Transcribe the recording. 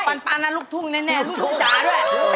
ปันนั้นลูกทุ่งแน่ลูกทุ่งจ๋าด้วย